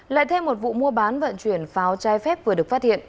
lại thêm một vụ mua bán vận chuyển pháo trái phép vừa được phát hiện